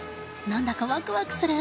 何だかワクワクする。